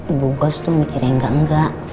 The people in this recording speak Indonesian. ibu bos tuh mikirnya engga enga